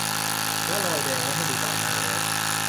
และรอยแดงไว้ให้ดูต่างหน้าแล้ว